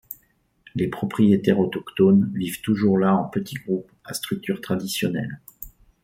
Les propriétaires autochtones vivent toujours là en petits groupes à structure traditionnelle.